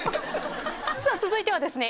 さあ続いてはですね